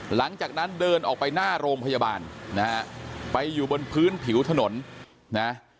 หลังจากนั้นเดินออกไปหน้าโรงพยาบาลนะฮะไปอยู่บนพื้นผิวถนนนะ